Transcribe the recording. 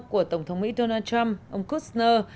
của tổng thống mỹ donald trump ông kushner